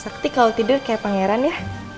sakti kalau tidur kayak pangeran ya